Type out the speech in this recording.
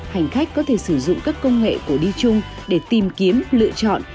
hành khách có thể sử dụng các công nghệ của đi chung để tìm kiếm lựa chọn